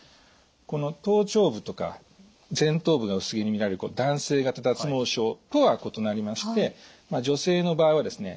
この頭頂部とか前頭部が薄毛にみられる男性型脱毛症とは異なりまして女性の場合はですね